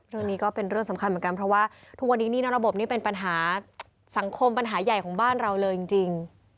เรื่องนี้ก็เป็นเรื่องสำคัญเหมือนกันเพราะว่าทุกวันนี้หนี้นอกระบบนี่เป็นปัญหาสังคมปัญหาใหญ่ของบ้านเราเลยจริง